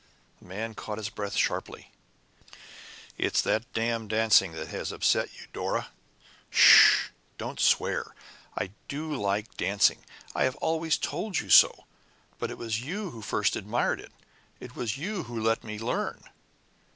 The man caught his breath sharply. "It's that damned dancing that has upset you, Dora!" "Sh! Don't swear! I do like dancing! I have always told you so. It was you who first admired it. It was you who let me learn."